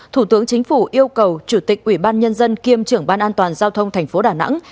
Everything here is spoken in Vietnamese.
thủ tướng chính phủ yêu cầu chủ tịch ubnd kiêm trưởng ban an toàn giao thông tp đà nẵng